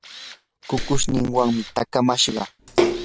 kukushninwanmi taakamashqa.